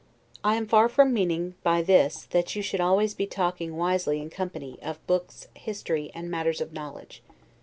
I am far from meaning by this that you should always be talking wisely in company, of books, history, and matters of knowledge.